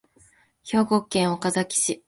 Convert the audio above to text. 兵庫県尼崎市